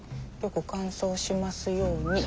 よく乾燥しますように。